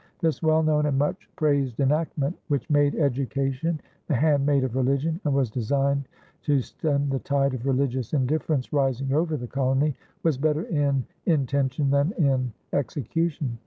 This well known and much praised enactment, which made education the handmaid of religion and was designed to stem the tide of religious indifference rising over the colony, was better in intention than in execution.